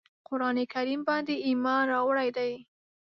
قرآن کریم باندي ایمان راوړی دی.